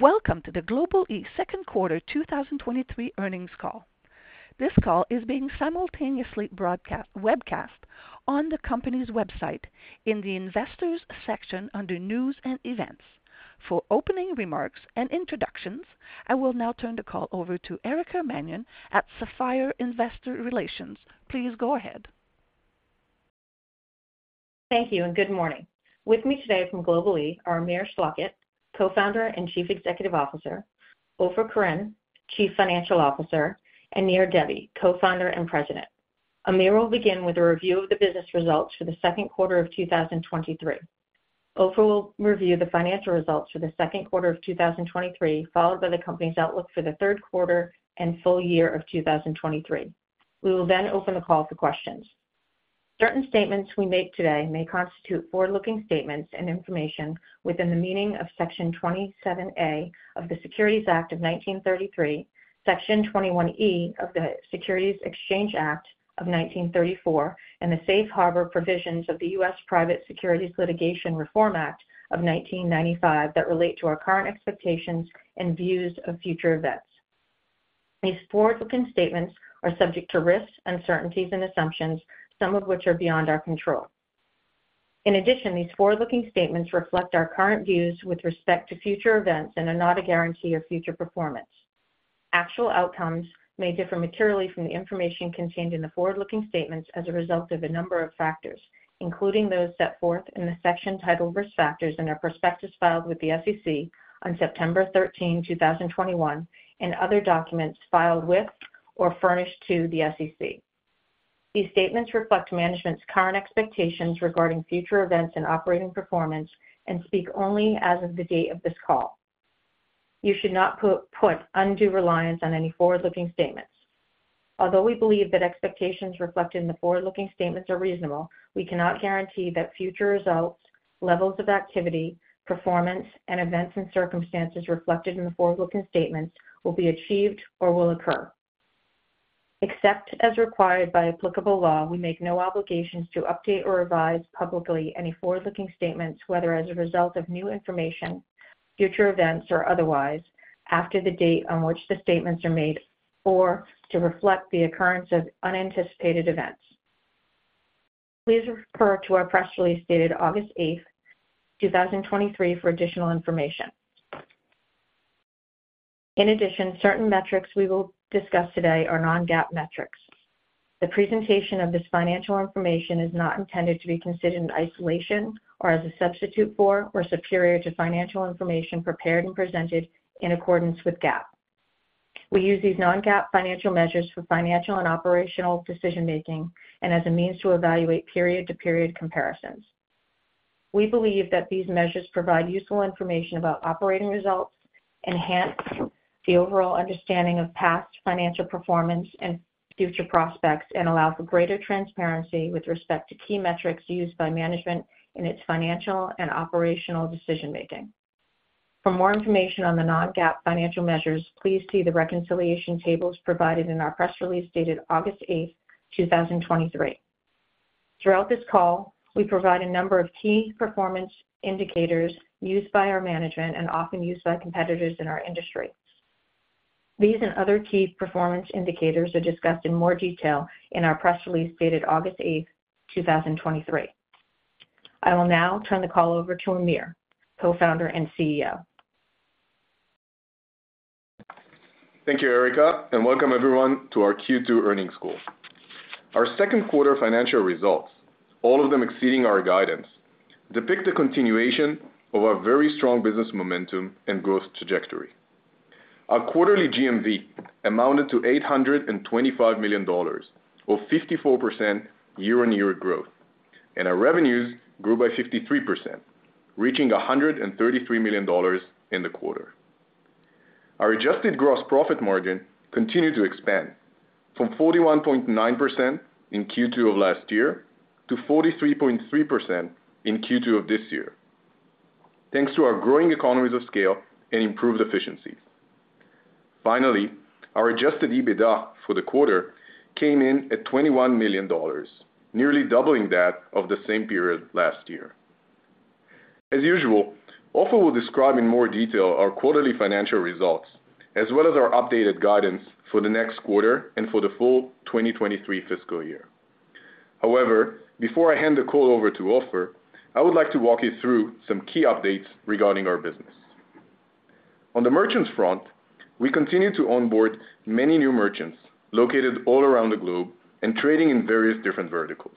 Welcome to the Global-e second quarter 2023 earnings call. This call is being simultaneously webcast on the company's website in the Investors section under News and Events. For opening remarks and introductions, I will now turn the call over to Erica Mannion at Sapphire Investor Relations. Please go ahead. Thank you, and good morning. With me today from Global-e are Amir Schlachet, Co-Founder and Chief Executive Officer, Ofer Koren, Chief Financial Officer, and Nir Debbi, Co-founder and President. Amir will begin with a review of the business results for the second quarter of 2023. Ofer will review the financial results for the second quarter of 2023, followed by the company's outlook for the third quarter and full year of 2023. We will then open the call for questions. Certain statements we make today may constitute forward-looking statements and information within the meaning of Section 27A of the Securities Act of 1933, Section 21E of the Securities Exchange Act of 1934, and the safe harbor provisions of the U.S. Private Securities Litigation Reform Act of 1995 that relate to our current expectations and views of future events. These forward-looking statements are subject to risks, uncertainties, and assumptions, some of which are beyond our control. In addition, these forward-looking statements reflect our current views with respect to future events and are not a guarantee of future performance. Actual outcomes may differ materially from the information contained in the forward-looking statements as a result of a number of factors, including those set forth in the section titled Risk Factors in our prospectus filed with the SEC on September 13, 2021, and other documents filed with or furnished to the SEC. These statements reflect management's current expectations regarding future events and operating performance and speak only as of the date of this call. You should not put undue reliance on any forward-looking statements. Although we believe that expectations reflected in the forward-looking statements are reasonable, we cannot guarantee that future results, levels of activity, performance, and events and circumstances reflected in the forward-looking statements will be achieved or will occur. Except as required by applicable law, we make no obligations to update or revise publicly any forward-looking statements, whether as a result of new information, future events, or otherwise, after the date on which the statements are made or to reflect the occurrence of unanticipated events. Please refer to our press release dated August 8th, 2023, for additional information. In addition, certain metrics we will discuss today are non-GAAP metrics. The presentation of this financial information is not intended to be considered in isolation or as a substitute for or superior to financial information prepared and presented in accordance with GAAP. We use these non-GAAP financial measures for financial and operational decision-making and as a means to evaluate period-to-period comparisons. We believe that these measures provide useful information about operating results, enhance the overall understanding of past financial performance and future prospects, and allow for greater transparency with respect to key metrics used by management in its financial and operational decision-making. For more information on the non-GAAP financial measures, please see the reconciliation tables provided in our press release dated August 8, 2023. Throughout this call, we provide a number of key performance indicators used by our management and often used by competitors in our industry. These and other key performance indicators are discussed in more detail in our press release dated August 8, 2023. I will now turn the call over to Amir, Co-Founder and CEO. Thank you, Erica. Welcome everyone to our Q2 earnings call. Our second quarter financial results, all of them exceeding our guidance, depict a continuation of a very strong business momentum and growth trajectory. Our quarterly GMV amounted to $825 million, or 54% year-on-year growth, and our revenues grew by 53%, reaching $133 million in the quarter. Our adjusted gross profit margin continued to expand from 41.9% in Q2 of last year to 43.3% in Q2 of this year, thanks to our growing economies of scale and improved efficiencies. Finally, our adjusted EBITDA for the quarter came in at $21 million, nearly doubling that of the same period last year. As usual, Ofer will describe in more detail our quarterly financial results, as well as our updated guidance for the next quarter and for the full 2023 fiscal year. Before I hand the call over to Ofer, I would like to walk you through some key updates regarding our business. On the merchants front, we continue to onboard many new merchants located all around the globe and trading in various different verticals.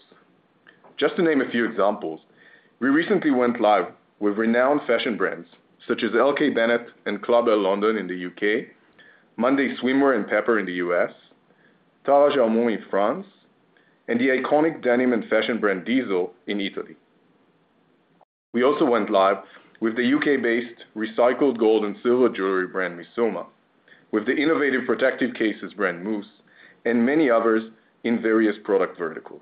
Just to name a few examples, we recently went live with renowned fashion brands such as LK Bennett and Club L London in the U.K., Monday Swimwear and Pepper in the U.S., Tara Jarmon in France, and the iconic denim and fashion brand Diesel in Italy. We also went live with the UK-based recycled gold and silver jewelry brand, Missoma, with the innovative protective cases brand, Mous, and many others in various product verticals.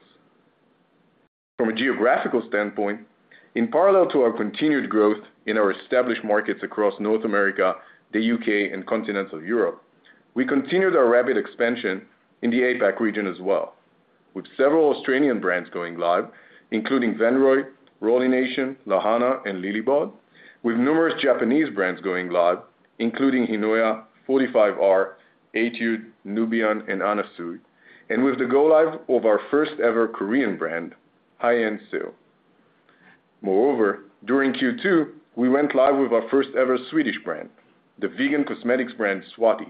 From a geographical standpoint, in parallel to our continued growth in our established markets across North America, the U.K., and continental Europe, we continued our rapid expansion in the APAC region as well. with several Australian brands going live, including Venroy, Rollie Nation, Lahana, and Lilybod, with numerous Japanese brands going live, including HINOYA, 45R, A-tude, Nubian, and Anna Sui, and with the go live of our first-ever Korean brand, High-end Sale. Moreover, during Q2, we went live with our first-ever Swedish brand, the vegan cosmetics brand, SWATI,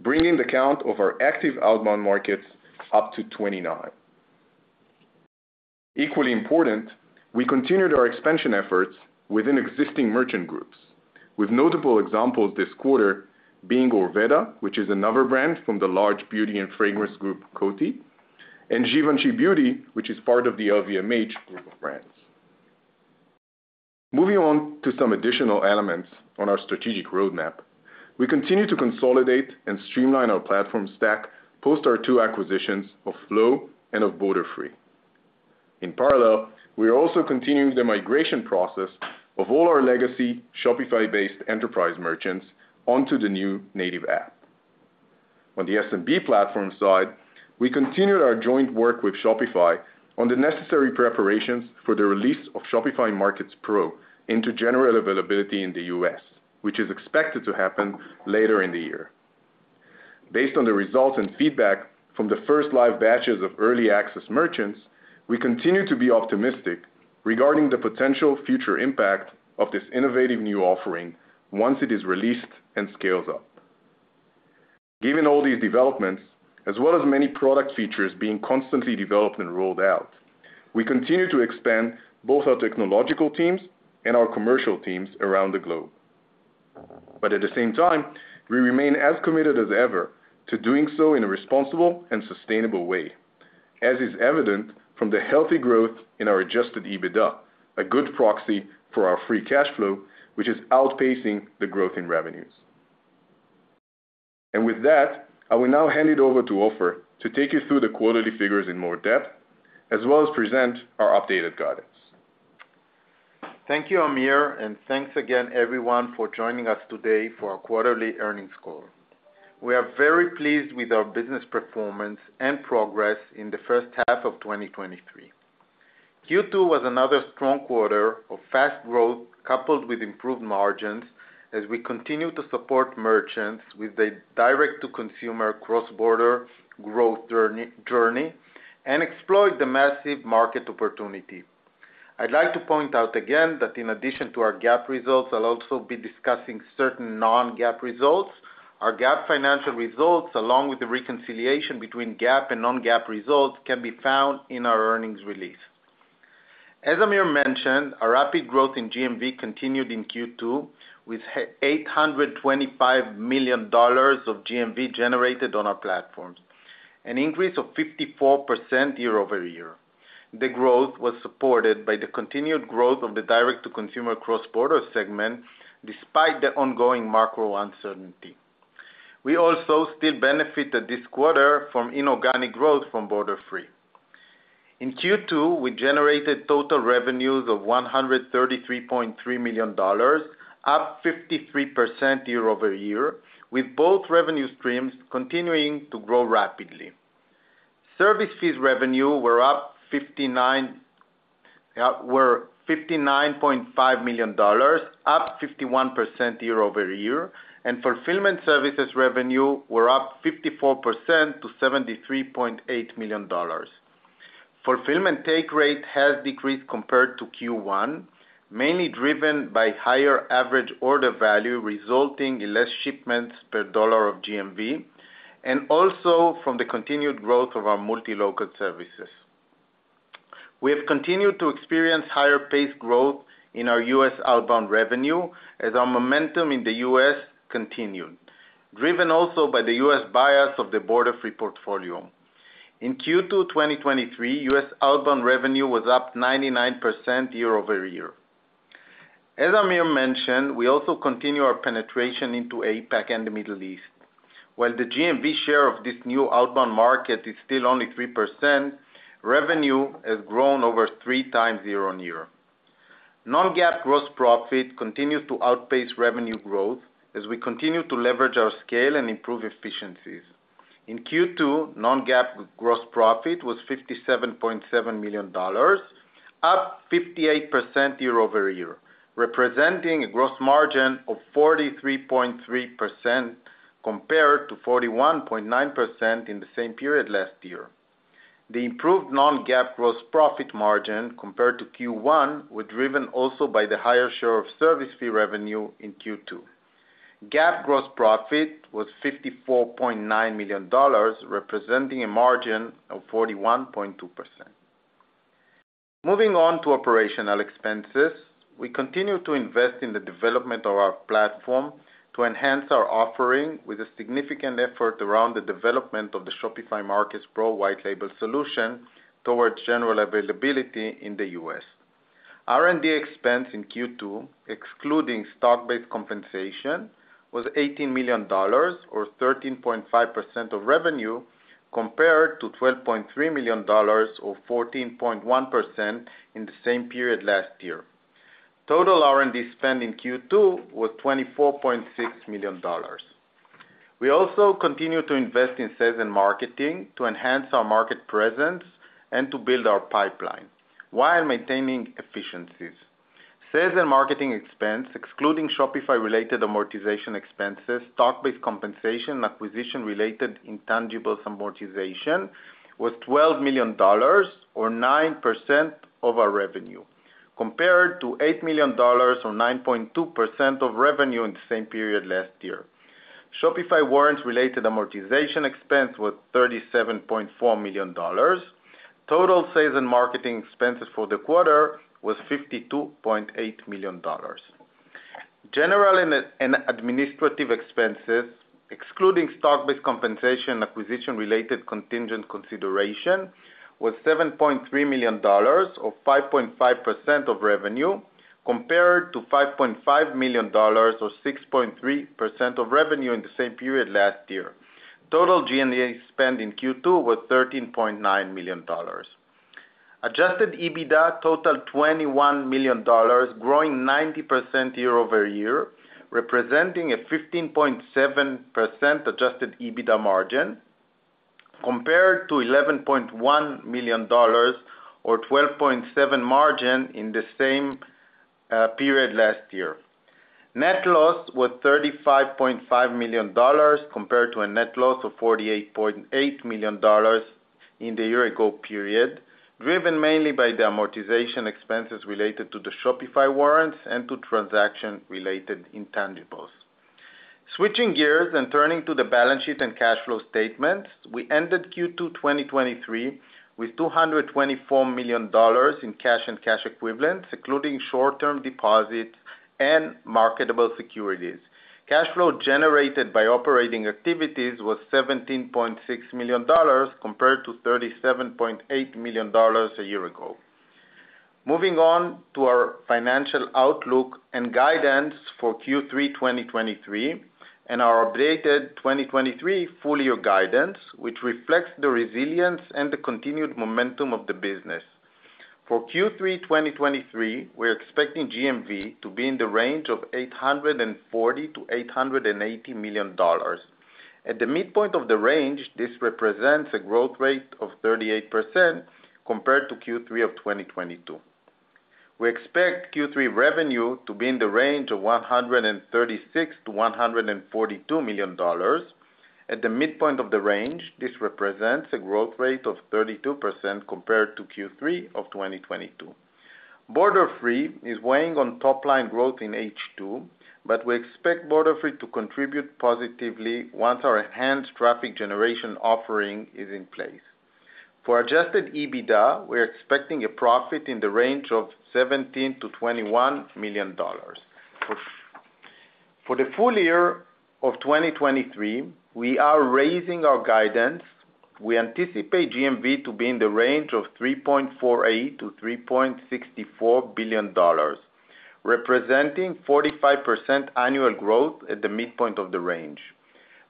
bringing the count of our active outbound markets up to 29. Equally important, we continued our expansion efforts within existing merchant groups, with notable examples this quarter being Orveda, which is another brand from the large beauty and fragrance group, Coty, and Givenchy Beauty, which is part of the LVMH group of brands. Moving on to some additional elements on our strategic roadmap, we continue to consolidate and streamline our platform stack post our two acquisitions of Flow and of Borderfree. In parallel, we are also continuing the migration process of all our legacy Shopify-based enterprise merchants onto the new native app. On the SMB platform side, we continued our joint work with Shopify on the necessary preparations for the release of Shopify Markets Pro into general availability in the U.S., which is expected to happen later in the year. Based on the results and feedback from the first live batches of early access merchants, we continue to be optimistic regarding the potential future impact of this innovative new offering once it is released and scales up. Given all these developments, as well as many product features being constantly developed and rolled out, we continue to expand both our technological teams and our commercial teams around the globe. At the same time, we remain as committed as ever to doing so in a responsible and sustainable way, as is evident from the healthy growth in our Adjusted EBITDA, a good proxy for our free cash flow, which is outpacing the growth in revenues. With that, I will now hand it over to Ofer to take you through the quarterly figures in more depth, as well as present our updated guidance. Thank you, Amir. Thanks again everyone, for joining us today for our quarterly earnings call. We are very pleased with our business performance and progress in the first half of 2023. Q2 was another strong quarter of fast growth, coupled with improved margins as we continue to support merchants with a direct-to-consumer cross-border growth journey and explore the massive market opportunity. I'd like to point out again that in addition to our GAAP results, I'll also be discussing certain non-GAAP results. Our GAAP financial results, along with the reconciliation between GAAP and non-GAAP results, can be found in our earnings release. As Amir mentioned, our rapid growth in GMV continued in Q2, with $825 million of GMV generated on our platforms, an increase of 54% year-over-year. The growth was supported by the continued growth of the direct-to-consumer cross-border segment, despite the ongoing macro uncertainty. We also still benefited this quarter from inorganic growth from Borderfree. In Q2, we generated total revenues of $133.3 million, up 53% year-over-year, with both revenue streams continuing to grow rapidly. Service fees revenue were $59.5 million, up 51% year-over-year, and fulfillment services revenue were up 54% to $73.8 million. Fulfillment take rate has decreased compared to Q1, mainly driven by higher average order value, resulting in less shipments per dollar of GMV, and also from the continued growth of our multi-local services. We have continued to experience higher pace growth in our U.S. outbound revenue as our momentum in the U.S. continued, driven also by the U.S. bias of the Borderfree portfolio. In Q2, 2023, U.S. outbound revenue was up 99% year-over-year. As Amir mentioned, we also continue our penetration into APAC and the Middle East. While the GMV share of this new outbound market is still only 3%, revenue has grown over 3x year-on-year. Non-GAAP gross profit continues to outpace revenue growth as we continue to leverage our scale and improve efficiencies. In Q2, non-GAAP gross profit was $57.7 million, up 58% year-over-year, representing a gross margin of 43.3% compared to 41.9% in the same period last year. The improved non-GAAP gross profit margin compared to Q1, were driven also by the higher share of service fee revenue in Q2. GAAP gross profit was $54.9 million, representing a margin of 41.2%. Moving on to operational expenses. We continue to invest in the development of our platform to enhance our offering with a significant effort around the development of the Shopify Markets Pro white label solution towards general availability in the U.S. R&D expense in Q2, excluding stock-based compensation, was $18 million, or 13.5% of revenue, compared to $12.3 million or 14.1% in the same period last year. Total R&D spend in Q2 was $24.6 million. We also continue to invest in sales and marketing to enhance our market presence and to build our pipeline, while maintaining efficiencies. Sales and marketing expense, excluding Shopify-related amortization expenses, stock-based compensation, and acquisition-related intangibles amortization, was $12 million, or 9% of our revenue, compared to $8 million or 9.2% of revenue in the same period last year. Shopify warrants-related amortization expense was $37.4 million. Total sales and marketing expenses for the quarter was $52.8 million. General and administrative expenses, excluding stock-based compensation and acquisition-related contingent consideration, was $7.3 million, or 5.5% of revenue, compared to $5.5 million or 6.3% of revenue in the same period last year. Total G&A spend in Q2 was $13.9 million. Adjusted EBITDA totaled $21 million, growing 90% year-over-year, representing a 15.7% Adjusted EBITDA margin, compared to $11.1 million or 12.7% margin in the same period last year. Net loss was $35.5 million, compared to a net loss of $48.8 million in the year ago period, driven mainly by the amortization expenses related to the Shopify warrants and to transaction-related intangibles. Switching gears turning to the balance sheet and cash flow statement. We ended Q2 2023 with $224 million in cash and cash equivalents, including short-term deposits and marketable securities. Cash flow generated by operating activities was $17.6 million, compared to $37.8 million a year ago. Moving on to our financial outlook and guidance for Q3 2023, and our updated 2023 full year guidance, which reflects the resilience and the continued momentum of the business. For Q3 2023, we're expecting GMV to be in the range of $840 million-$880 million. At the midpoint of the range, this represents a growth rate of 38% compared to Q3 of 2022. We expect Q3 revenue to be in the range of $136 million-$142 million. At the midpoint of the range, this represents a growth rate of 32% compared to Q3 of 2022. Borderfree is weighing on top line growth in H2, we expect Borderfree to contribute positively once our enhanced traffic generation offering is in place. For Adjusted EBITDA, we're expecting a profit in the range of $17 million-$21 million. For the full year of 2023, we are raising our guidance. We anticipate GMV to be in the range of $3.48 billion-$3.64 billion, representing 45% annual growth at the midpoint of the range.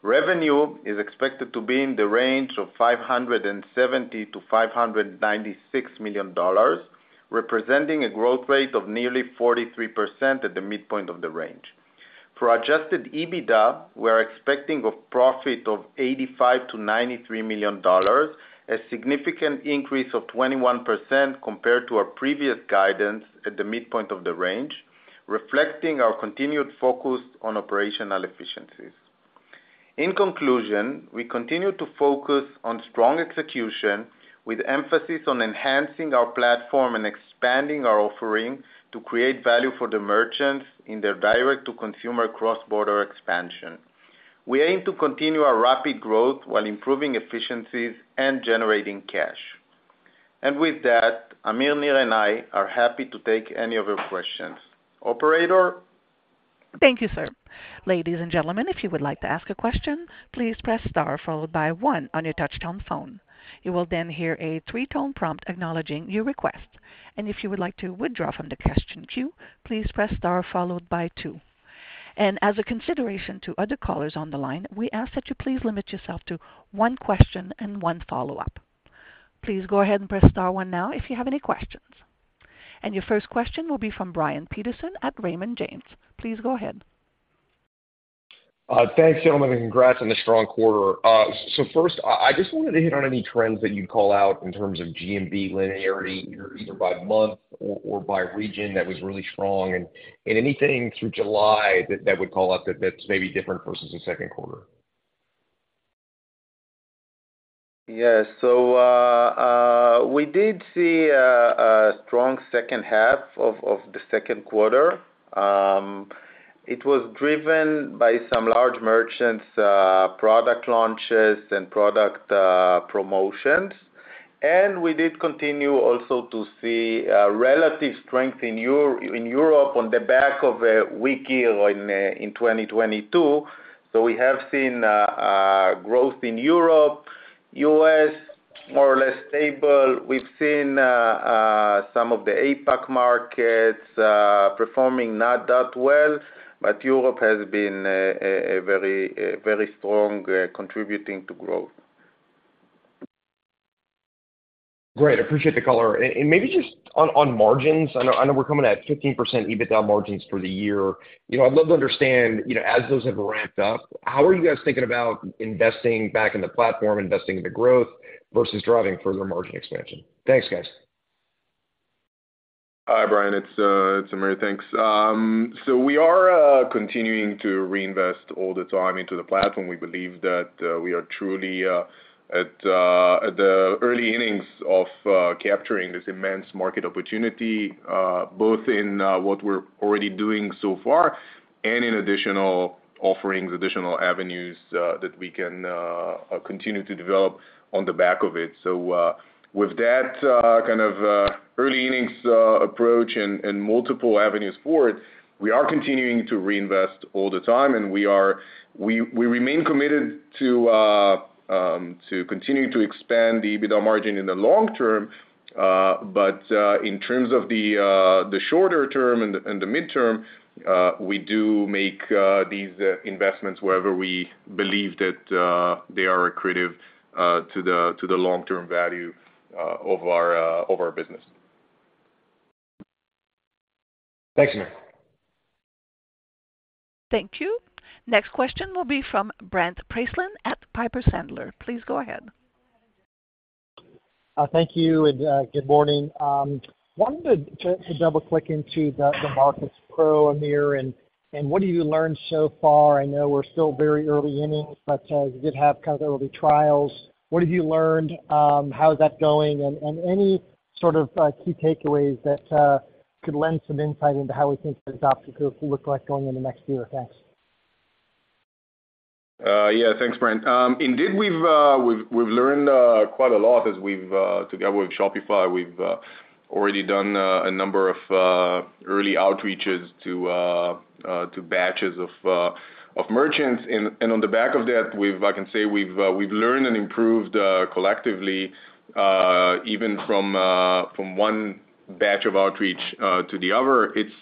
Revenue is expected to be in the range of $570 million-$596 million, representing a growth rate of nearly 43% at the midpoint of the range. For Adjusted EBITDA, we are expecting a profit of $85 million-$93 million, a significant increase of 21% compared to our previous guidance at the midpoint of the range, reflecting our continued focus on operational efficiencies. In conclusion, we continue to focus on strong execution, with emphasis on enhancing our platform and expanding our offering to create value for the merchants in their direct-to-consumer cross-border expansion. We aim to continue our rapid growth while improving efficiencies and generating cash. With that, Amir, Nir and I are happy to take any of your questions. Operator? Thank you, sir. Ladies and gentlemen, if you would like to ask a question, please press star followed by one on your touch-tone phone. You will then hear a three-tone prompt acknowledging your request. If you would like to withdraw from the question queue, please press star followed by two. As a consideration to other callers on the line, we ask that you please limit yourself to one question and one follow-up. Please go ahead and press star one now if you have any questions. Your first question will be from Brian Peterson at Raymond James. Please go ahead. Thanks, gentlemen. Congrats on the strong quarter. First, I just wanted to hit on any trends that you'd call out in terms of GMV linearity, either by month or by region, that was really strong, and anything through July that would call out that's maybe different versus the second quarter. Yes. We did see a strong second half of the second quarter. It was driven by some large merchants, product launches and product promotions. We did continue also to see a relative strength in Europe on the back of a weak year in 2022. We have seen growth in Europe, U.S., more or less stable. We've seen some of the APAC markets performing not that well, but Europe has been a very, very strong contributing to growth. Great, appreciate the color. Maybe just on, on margins, I know, I know we're coming at 15% EBITDA margins for the year. You know, I'd love to understand, you know, as those have ramped up, how are you guys thinking about investing back in the platform, investing in the growth versus driving further margin expansion? Thanks, guys. Hi, Brian. It's, it's Amir. Thanks. We are continuing to reinvest all the time into the platform. We believe that we are truly at at the early innings of capturing this immense market opportunity, both in what we're already doing so far and in additional offerings, additional avenues that we can continue to develop on the back of it. With that, kind of, early innings approach and, and multiple avenues forward, we are continuing to reinvest all the time, and we remain committed to continuing to expand the EBITDA margin in the long-term. In terms of the shorter-term and the midterm, we do make these investments wherever we believe that they are accretive to the long-term value of our business. Thanks, Amir. Thank you. Next question will be from Brent Bracelin at Piper Sandler. Please go ahead. Thank you, and good morning. Wanted to double-click into the Markets Pro, Amir, and what have you learned so far? I know we're still very early innings, but you did have kind of early trials. What have you learned? How is that going? Any sort of key takeaways that could lend some insight into how we think the adoption group will look like going in the next year? Thanks. Yeah, thanks, Brent. Indeed, we've learned quite a lot as we've, together with Shopify, we've already done a number of early outreaches to batches of merchants. On the back of that, I can say, we've learned and improved collectively, even from one batch of outreach to the other. It's,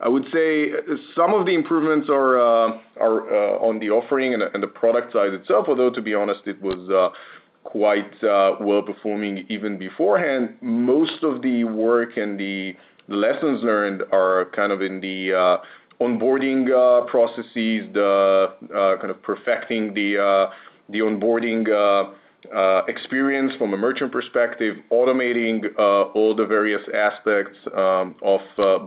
I would say some of the improvements are on the offering and the, and the product side itself. Although, to be honest, it was quite well-performing even beforehand. Most of the work and the lessons learned are kind of in the onboarding processes, the kind of perfecting the the onboarding experience from a merchant perspective, automating all the various aspects of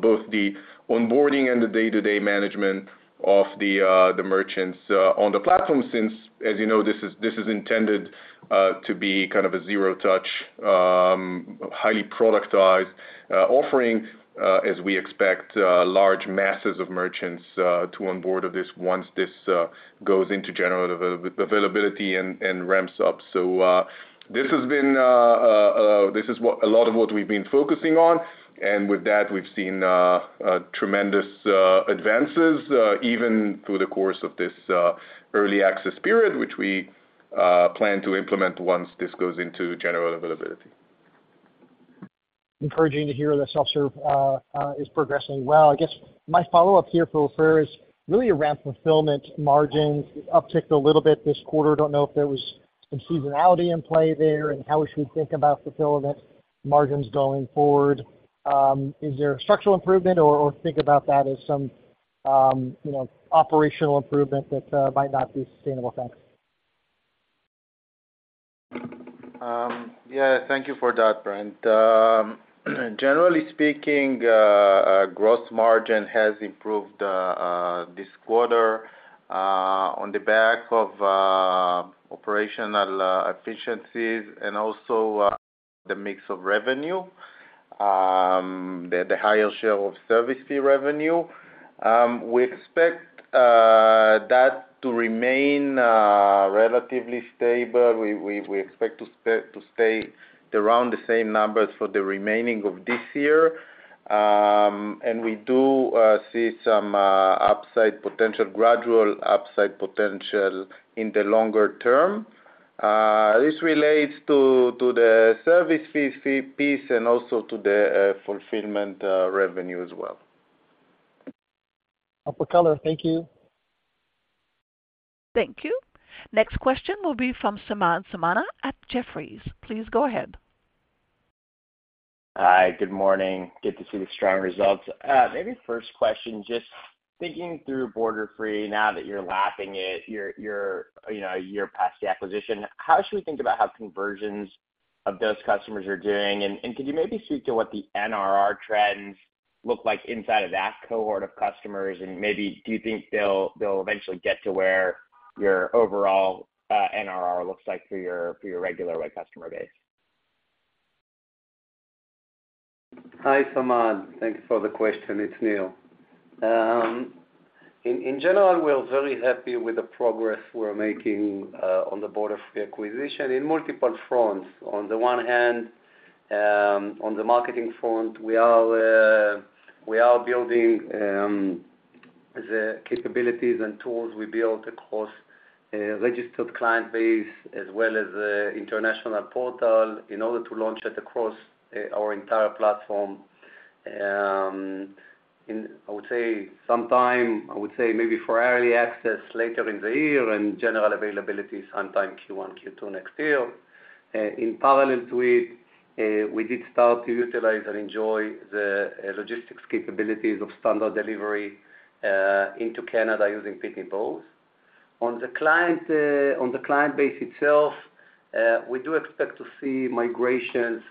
both the onboarding and the day-to-day management of the merchants on the platform, since, as you know, this is intended to be kind of a zero-touch, highly productized offering, as we expect large masses of merchants to onboard of this once this goes into general availability and ramps up. This is what a lot of what we've been focusing on, and with that, we've seen tremendous advances even through the course of this early access period, which we plan to implement once this goes into general availability. Encouraging to hear the self-serve is progressing well. I guess my follow-up here for Ofer is really around fulfillment margins upticked a little bit this quarter. Don't know if there was some seasonality in play there and how we should think about fulfillment margins going forward. Is there a structural improvement or, or think about that as some, you know, operational improvement that might not be sustainable? Thanks. Yeah, thank you for that, Brent. Generally speaking, gross margin has improved this quarter on the back of operational efficiencies and also the mix of revenue, the higher share of service fee revenue. We expect that to remain relatively stable. We expect to stay, to stay around the same numbers for the remaining of this year. We do see some upside potential, gradual upside potential in the longer-term. This relates to, to the service fee piece and also to the fulfillment revenue as well. Upper color. Thank you. Thank you. Next question will be from Samad Samana at Jefferies. Please go ahead. Hi, good morning. Good to see the strong results. Maybe first question, just thinking through Borderfree now that you're lapping it, you're you know, a year past the acquisition. How should we think about how conversions of those customers are doing? Could you maybe speak to what the NRR trends look like inside of that cohort of customers? Maybe do you think they'll eventually get to where your overall NRR looks like for your, for your regular customer base? Hi, Saman. Thanks for the question. It's Nir. In general, we're very happy with the progress we're making on the Borderfree acquisition in multiple fronts. On the one hand, on the marketing front, we are building the capabilities and tools we built across registered client base, as well as the international portal, in order to launch it across our entire platform. I would say, sometime, I would say maybe for early access later in the year and general availability, sometime Q1, Q2 next year. In parallel to it, we did start to utilize and enjoy the logistics capabilities of standard delivery into Canada using Pitney Bowes. On the client base itself, we do expect to see migrations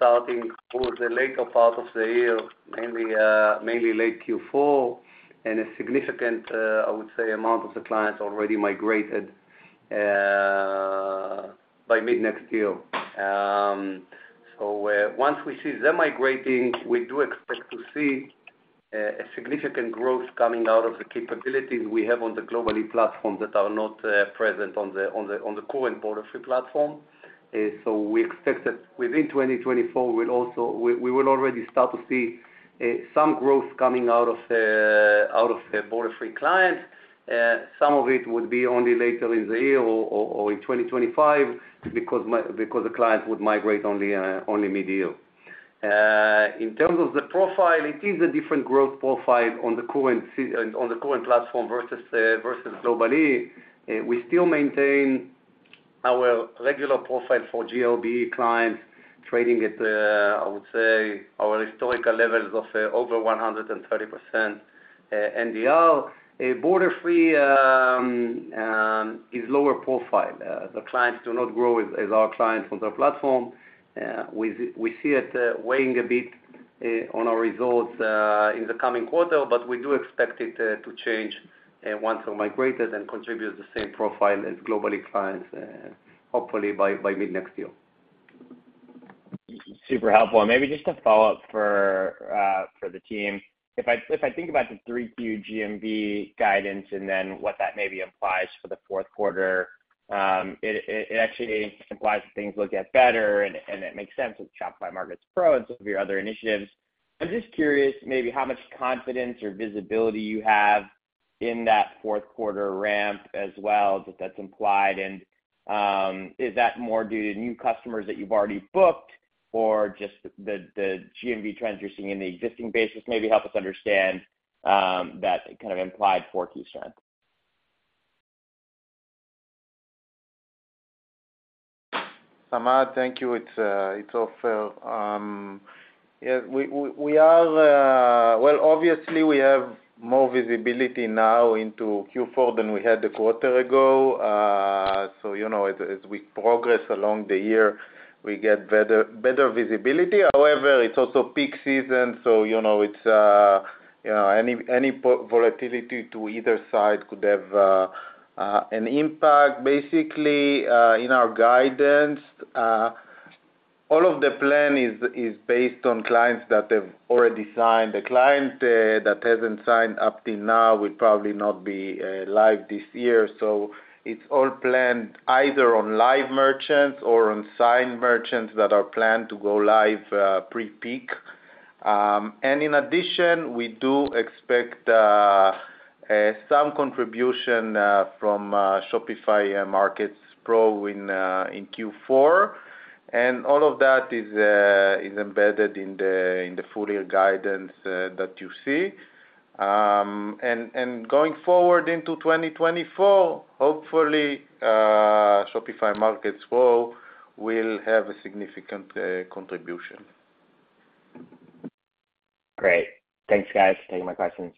starting towards the later part of the year, mainly, mainly late Q4, and a significant, I would say, amount of the clients already migrated, by mid-next year. Once we see them migrating, we do expect to see a significant growth coming out of the capabilities we have on the Global-e platform that are not present on the current Borderfree platform. We expect that within 2024, we will already start to see some growth coming out of the Borderfree clients. Some of it would be only later in the year or in 2025, because the clients would migrate only, only mid-year. In terms of the profile, it is a different growth profile on the current on the current platform versus versus Global-e. We still maintain our regular profile for GLBE clients, trading at I would say, our historical levels of over 130% NDR. Borderfree is lower profile. The clients do not grow as our clients on their platform. We see it weighing a bit on our results in the coming quarter, but we do expect it to change once we're migrated and contribute the same profile as Global-e clients, hopefully by mid-next year. Super helpful. Maybe just a follow-up for the team. If I think about the 3Q GMV guidance and then what that maybe implies for the 4th quarter, it actually implies that things will get better, and it makes sense with Shopify Markets Pro and some of your other initiatives. I'm just curious, maybe how much confidence or visibility you have in that 4th quarter ramp as well, that's implied. Is that more due to new customers that you've already booked, or just the, the GMV trends you're seeing in the existing basis? Maybe help us understand that kind of implied fourth key trend. Samad, thank you. It's Ofer. Well, obviously, we have more visibility now into Q4 than we had a quarter ago. You know, as we progress along the year, we get better visibility. However, it's also peak season, so, you know, it's, you know, any volatility to either side could have an impact. Basically, in our guidance, all of the plan is based on clients that have already signed. A client that hasn't signed up till now will probably not be live this year. So it's all planned either on live merchants or on signed merchants that are planned to go live pre-peak. In addition, we do expect some contribution from Shopify Markets Pro in Q4. All of that is, is embedded in the, in the full year guidance, that you see. Going forward into 2024, hopefully, Shopify Markets Pro will have a significant, contribution. Great. Thanks, guys, for taking my questions.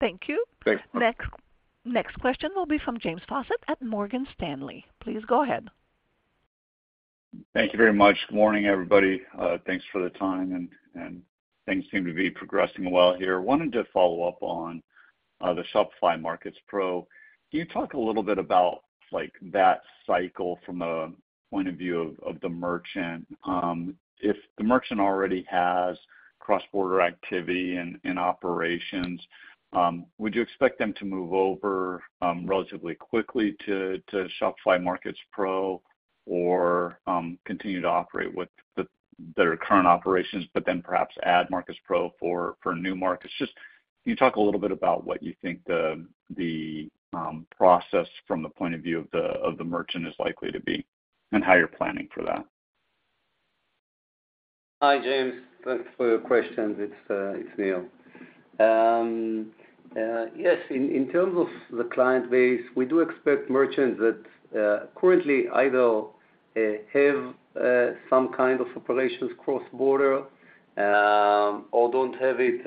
Thank you. Next question will be from James Faucette at Morgan Stanley. Please go ahead. Thank you very much. Good morning, everybody. Thanks for the time, and things seem to be progressing well here. Wanted to follow up on the Shopify Markets Pro. Can you talk a little bit about that cycle from a point of view of the merchant? If the merchant already has cross-border activity and operations, would you expect them to move over relatively quickly to Shopify Markets Pro or continue to operate with their current operations, but then perhaps add Markets Pro for new markets? Just, can you talk a little bit about what you think the process from the point of view of the merchant is likely to be and how you're planning for that? Hi, James. Thanks for your questions. It's, it's Nir. Yes, in terms of the client base, we do expect merchants that currently either have some kind of operations cross-border or don't have it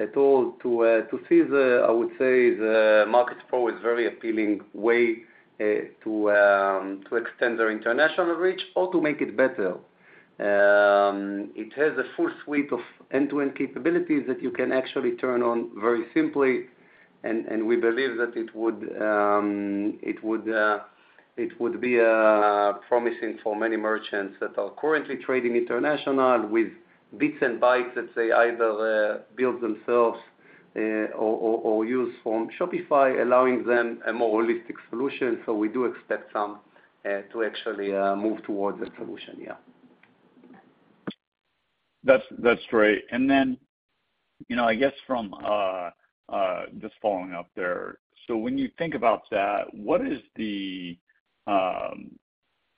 at all, to see the, I would say, the Markets Pro is very appealing way to extend their international reach or to make it better. It has a full suite of end-to-end capabilities that you can actually turn on very simply, and we believe that it would be promising for many merchants that are currently trading international with bits and bytes, let's say, either build themselves or use from Shopify, allowing them a more holistic solution. We do expect some to actually move towards that solution. Yeah. That's great. You know, I guess from just following up there. When you think about that,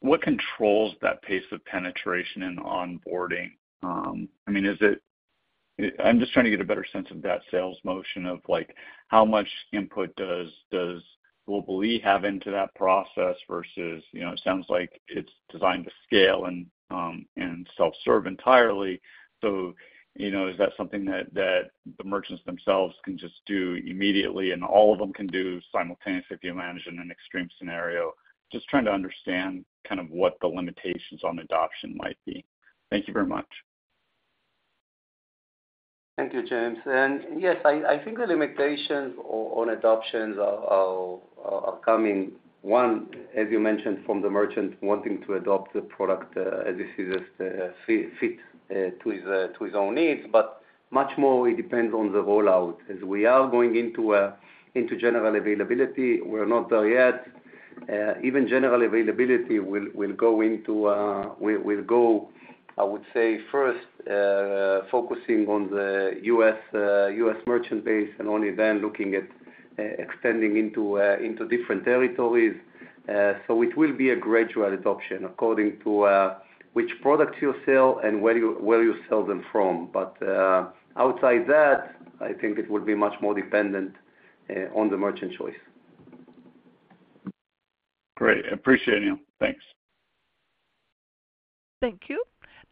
what controls that pace of penetration and onboarding? I mean, is it I'm just trying to get a better sense of that sales motion, of, like, how much input does Global-e have into that process versus, you know, it sounds like it's designed to scale and self-serve entirely. You know, is that something that the merchants themselves can just do immediately, and all of them can do simultaneously, if you imagine, in an extreme scenario? Just trying to understand kind of what the limitations on adoption might be. Thank you very much. Thank you, James. Yes, I think the limitations on adoptions are, are, are coming. One, as you mentioned, from the merchant wanting to adopt the product, as you see this, fit, to his, to his own needs, but much more it depends on the rollout. As we are going into general availability, we're not there yet. Even general availability will go, I would say, first, focusing on the U.S. merchant base, and only then looking at, extending into, into different territories. So it will be a gradual adoption according to, which products you sell and where you, where you sell them from. Outside that, I think it would be much more dependent, on the merchant choice. Great. I appreciate you. Thanks. Thank you.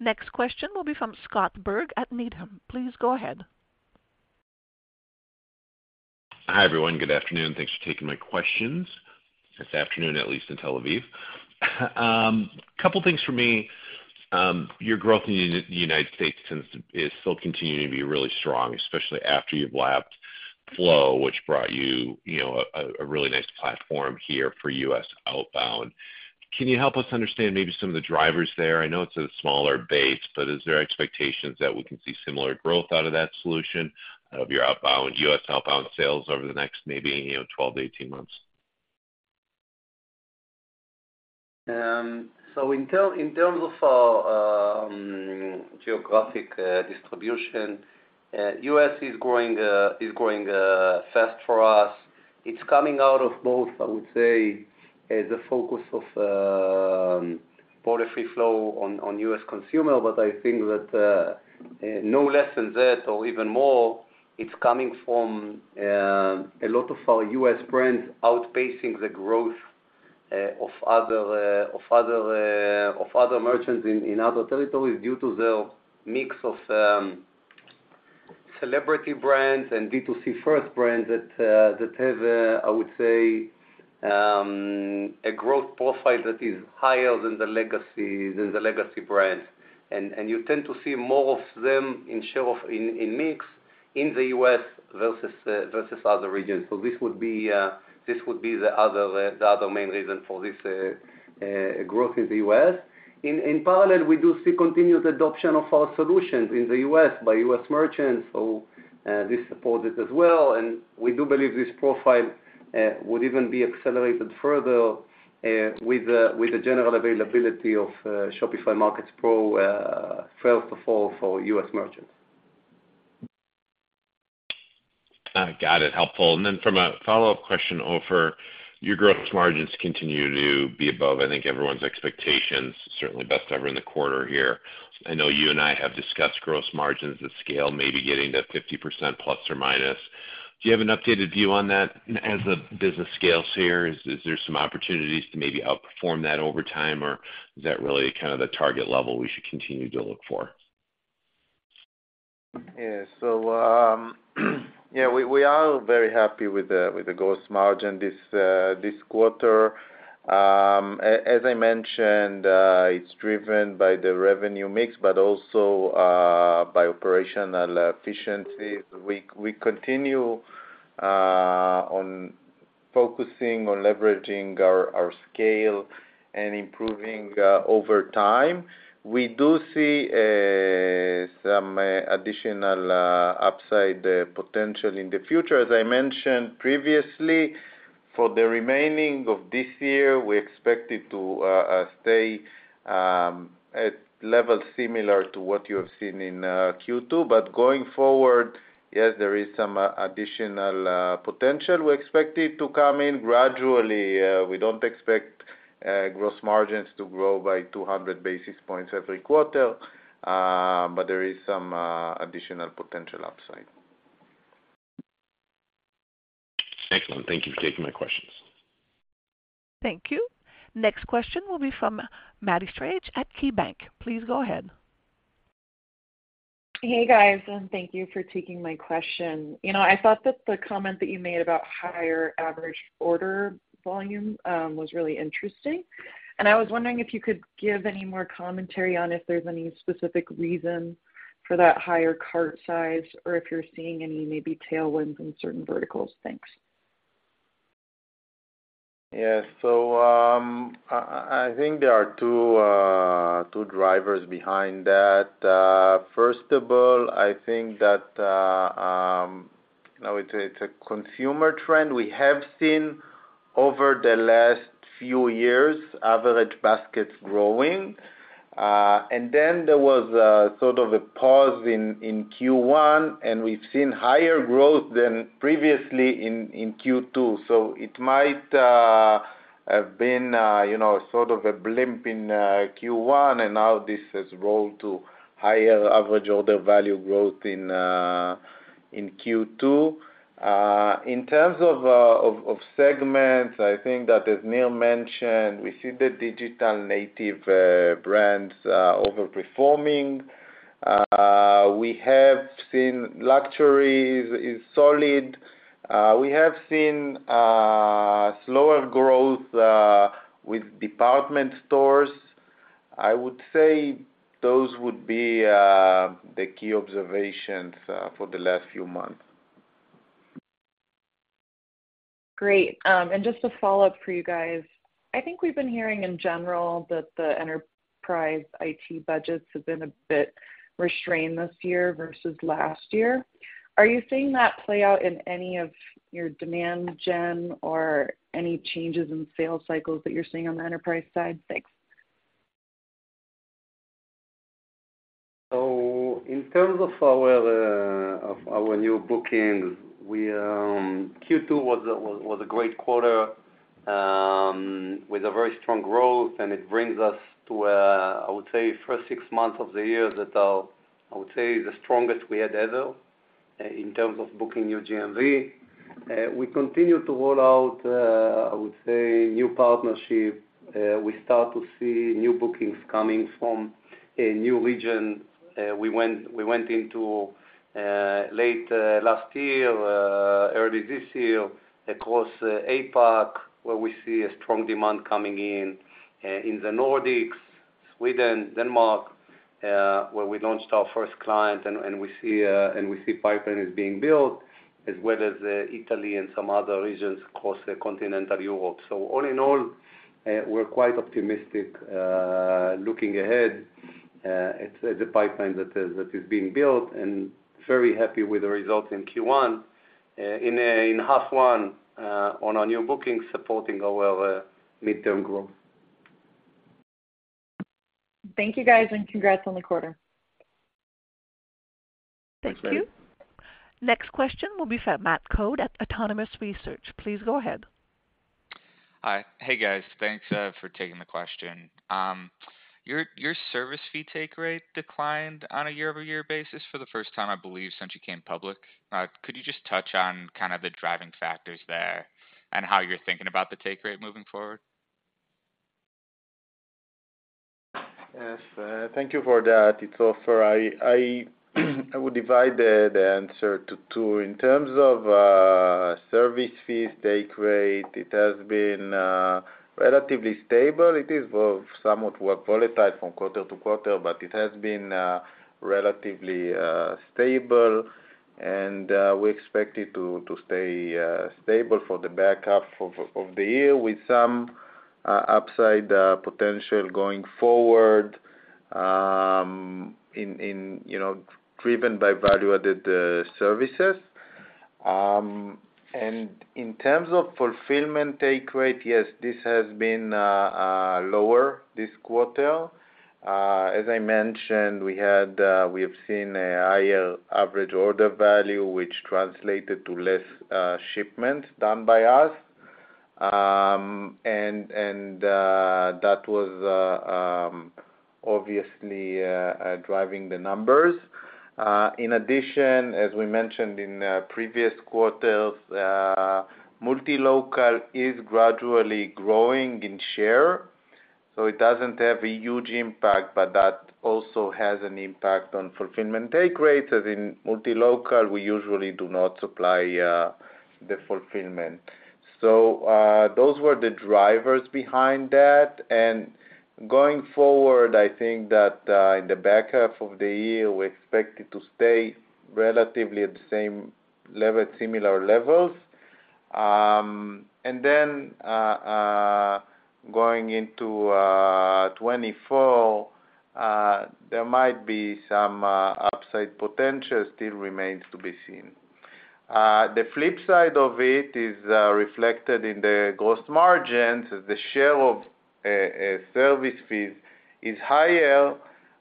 Next question will be from Scott Berg at Needham. Please go ahead. Hi, everyone. Good afternoon. Thanks for taking my questions. It's afternoon, at least in Tel Aviv. Couple things for me. Your growth in the United States is still continuing to be really strong, especially after you've lapped Flow, which brought you, you know, a really nice platform here for U.S. outbound. Can you help us understand maybe some of the drivers there? I know it's a smaller base, but is there expectations that we can see similar growth out of that solution of your outbound, U.S. outbound sales over the next maybe, you know, 12-18 months? In terms of our geographic distribution, U.S. is growing fast for us. It's coming out of both, I would say, the focus of Borderfree/Flow on U.S. consumer, but I think that no less than that or even more, it's coming from a lot of our U.S. brands outpacing the growth of other merchants in other territories due to the mix of celebrity brands and B2C first brands that have, I would say, a growth profile that is higher than the legacy brands. You tend to see more of them in mix in the U.S. versus other regions. This would be the other main reason for this, growth in the U.S. In, in parallel, we do see continued adoption of our solutions in the U.S. by U.S. merchants, so, this supports it as well. We do believe this profile, would even be accelerated further with the general availability of, Shopify Markets Pro, first to fall for U.S. merchants. Got it. Helpful. Then from a follow-up question, Ofer, your gross margins continue to be above, I think, everyone's expectations, certainly best ever in the quarter here. I know you and I have discussed gross margins at scale, maybe getting to 50% ±. Do you have an updated view on that as the business scales here? Is there some opportunities to maybe outperform that over time, or is that really kind of the target level we should continue to look for? Yeah, we are very happy with the gross margin this quarter. As I mentioned, it's driven by the revenue mix, but also, by operational efficiency. We continue on focusing on leveraging our scale and improving over time. We do see some additional upside potential in the future. As I mentioned previously, for the remaining of this year, we expect it to stay at levels similar to what you have seen in Q2. Going forward, yes, there is some additional potential. We expect it to come in gradually. We don't expect gross margins to grow by 200 basis points every quarter, but there is some additional potential upside. Excellent. Thank you for taking my questions. Thank you. Next question will be from Maddie Schrage at KeyBanc. Please go ahead. Hey, guys, and thank you for taking my question. You know, I thought that the comment that you made about higher average order volume was really interesting. I was wondering if you could give any more commentary on if there's any specific reason for that higher cart size, or if you're seeing any maybe tailwinds in certain verticals. Thanks. Yes. I think there are two drivers behind that. First of all, I think that, now it's a consumer trend. We have seen over the last few years, average baskets growing. And then there was a sort of a pause in Q1, and we've seen higher growth than previously in Q2. It might have been, you know, sort of a blimp in Q1, and now this has grown to higher average order value growth in Q2. In terms of segments, I think that, as Nir mentioned, we see the digital native brands overperforming. We have seen luxury is, is solid. We have seen slower growth with department stores. I would say those would be, the key observations, for the last few months. Great! Just a follow-up for you guys. I think we've been hearing in general that the enterprise IT budgets have been a bit restrained this year versus last year. Are you seeing that play out in any of your demand gen or any changes in sales cycles that you're seeing on the enterprise side? Thanks. In terms of our new bookings, we Q2 was a great quarter with a very strong growth, and it brings us to, I would say, first six months of the year that are, I would say, the strongest we had ever in terms of booking new GMV. We continue to roll out, I would say, new partnership. We start to see new bookings coming from a new region. We went into late last year, early this year, across APAC, where we see a strong demand coming in the Nordics, Sweden, Denmark, where we launched our first client, and we see pipeline is being built, as well as Italy and some other regions across the continental Europe. All in all, we're quite optimistic, looking ahead at the pipeline that is being built, and very happy with the results in half one, on our new bookings, supporting our midterm growth. Thank you, guys, and congrats on the quarter. Thanks, Mary. Thank you. Next question will be from Matt Coad at Autonomous Research. Please go ahead. Hi. Hey, guys, thanks for taking the question. Your service fee take rate declined on a year-over-year basis for the first time, I believe, since you came public. Could you just touch on kind of the driving factors there and how you're thinking about the take rate moving forward? Yes, thank you for that. It's Ofer. I would divide the answer to two. In terms of service fees take rate, it has been relatively stable. It is both somewhat more volatile from quarter to quarter, but it has been relatively stable, and we expect it to stay stable for the back half of the year, with some upside potential going forward driven by value-added services. In terms of fulfillment take rate, yes, this has been lower this quarter. As I mentioned, we have seen a higher average order value, which translated to less shipments done by us. That was obviously driving the numbers. In addition, as we mentioned in the previous quarters, multi-local is gradually growing in share, so it doesn't have a huge impact, but that also has an impact on fulfillment take rate, as in multi-local, we usually do not supply the fulfillment. Those were the drivers behind that, and going forward, I think that in the back half of the year, we expect it to stay relatively at the same level, similar levels. And then, going into 2024, there might be some upside potential, still remains to be seen. The flip side of it is reflected in the gross margins. The share of service fees is higher,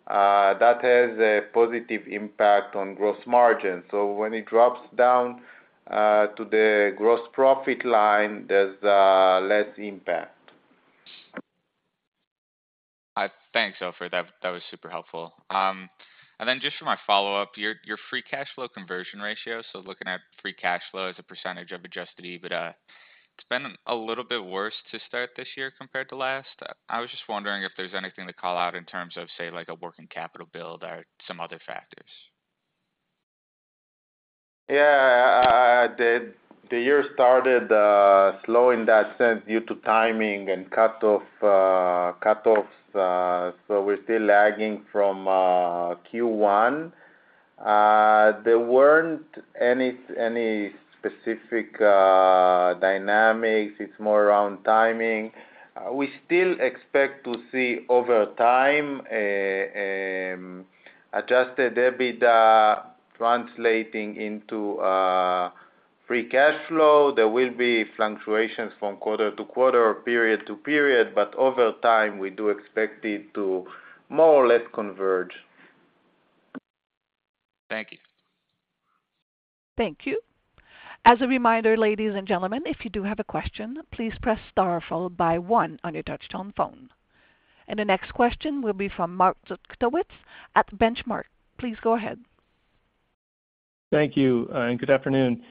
that has a positive impact on gross margin. When it drops down to the gross profit line, there's less impact. Thanks, Ofer. That was super helpful. Just for my follow-up, your free cash flow conversion ratio, so looking at free cash flow as a percentage of Adjusted EBITDA, it's been a little bit worse to start this year compared to last. I was just wondering if there's anything to call out in terms of, say, like a working capital build or some other factors? Yeah, the year started slow in that sense due to timing and cutoffs. We're still lagging from Q1. There weren't any specific dynamics. It's more around timing. We still expect to see over time Adjusted EBITDA translating into free cash flow. There will be fluctuations from quarter to quarter or period to period, but over time, we do expect it to more or less converge. Thank you. Thank you. As a reminder, ladies and gentlemen, if you do have a question, please press star followed by one on your touch-tone phone. The next question will be from Mark Zgutowicz at Benchmark Company. Please go ahead. Thank you, and good afternoon.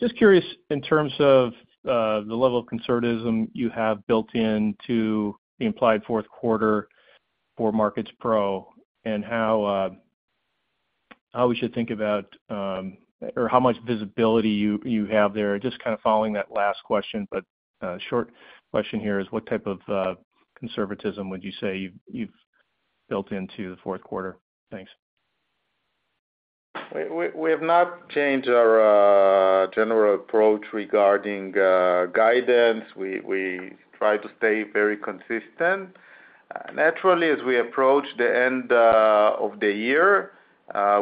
Just curious in terms of the level of conservatism you have built into the implied fourth quarter for Markets Pro and how much visibility you, you have there. Just kind of following that last question, but short question here is what type of conservatism would you say you've built into the fourth quarter? Thanks. We have not changed our general approach regarding guidance. We try to stay very consistent. Naturally, as we approach the end of the year,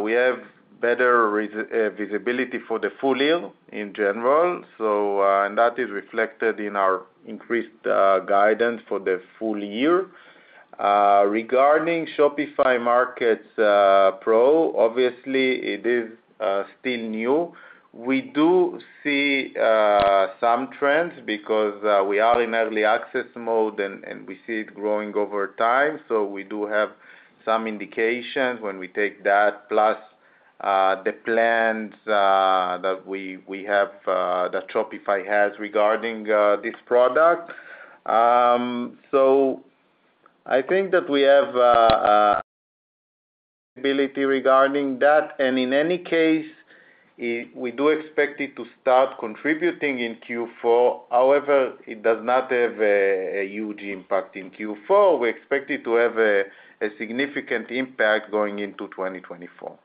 we have better visibility for the full year in general. And that is reflected in our increased guidance for the full year. Regarding Shopify Markets Pro, obviously it is still new. We do see some trends because we are in early access mode and we see it growing over time. We do have some indications when we take that, plus the plans that Shopify has regarding this product. I think that we have an ability regarding that, and in any case, we do expect it to start contributing in Q4. However, it does not have a huge impact in Q4. We expect it to have a significant impact going into 2024.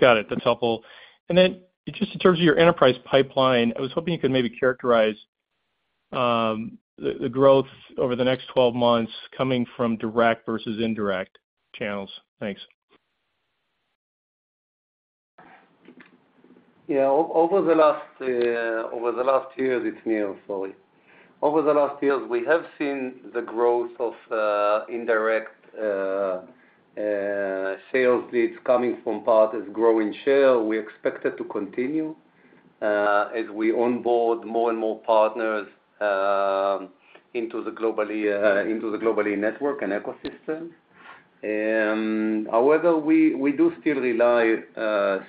Got it. That's helpful. Then just in terms of your enterprise pipeline, I was hoping you could maybe characterize the growth over the next 12 months coming from direct versus indirect channels. Thanks. It's Nir, sorry. Over the last years, we have seen the growth of indirect sales leads coming from partners growing share. We expect it to continue as we onboard more and more partners into the Global-e network and ecosystem. However, we do still rely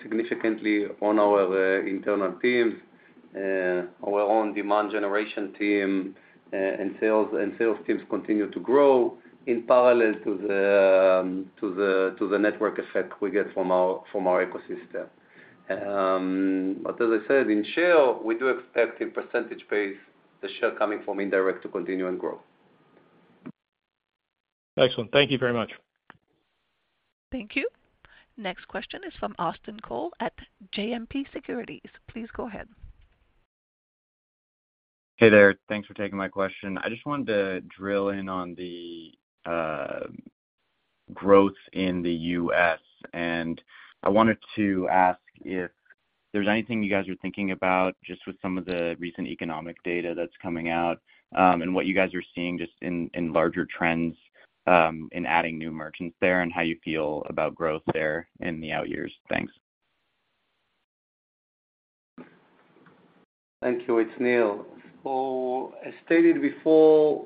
significantly on our internal teams, our own demand generation team, and sales teams continue to grow in parallel to the network effect we get from our ecosystem. As I said, in share, we do expect in percentage base, the share coming from indirect to continue and grow. Excellent. Thank you very much. Thank you. Next question is from Austin Cole at JMP Securities. Please go ahead. Hey there. Thanks for taking my question. I just wanted to drill in on the growth in the U.S., and I wanted to ask if there's anything you guys are thinking about, just with some of the recent economic data that's coming out, and what you guys are seeing just in larger trends, in adding new merchants there, and how you feel about growth there in the out years? Thanks. Thank you. It's Nir. As stated before,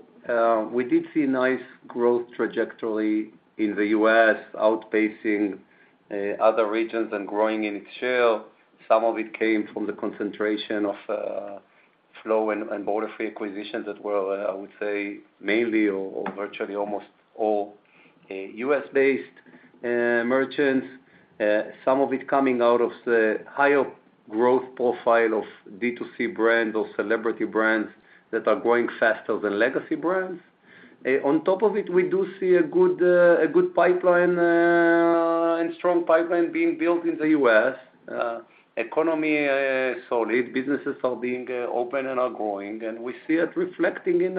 we did see nice growth trajectory in the U.S., outpacing other regions and growing in its share. Some of it came from the concentration of Flow and Borderfree acquisitions that were, I would say, mainly or virtually almost all U.S.-based merchants. Some of it coming out of the higher growth profile of D2C brands or celebrity brands that are growing faster than legacy brands. On top of it, we do see a good pipeline and strong pipeline being built in the U.S. economy, solid. Businesses are being open and are growing, and we see it reflecting in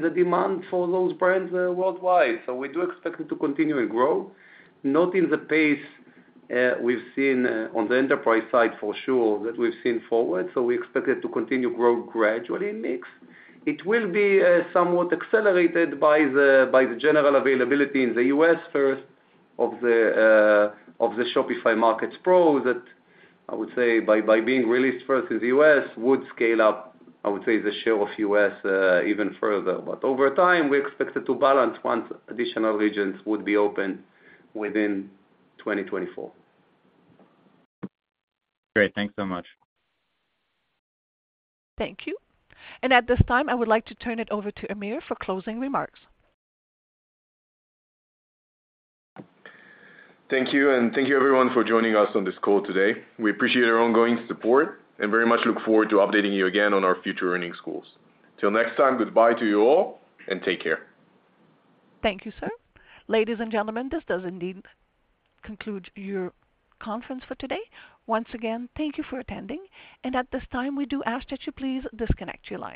the demand for those brands worldwide. We do expect it to continue to grow. Not in the pace, we've seen on the enterprise side, for sure, that we've seen forward. We expect it to continue to grow gradually in mix. It will be somewhat accelerated by the general availability in the U.S. first of the Shopify Markets Pro, that I would say by being released first in the U.S., would scale up, I would say, the share of U.S. even further. Over time, we expect it to balance once additional regions would be open within 2024. Great. Thanks so much. Thank you. At this time, I would like to turn it over to Amir for closing remarks. Thank you, and thank you everyone for joining us on this call today. We appreciate your ongoing support and very much look forward to updating you again on our future earnings calls. Till next time, goodbye to you all, and take care. Thank you, sir. Ladies and gentlemen, this does indeed conclude your conference for today. Once again, thank you for attending. At this time, we do ask that you please disconnect your lines.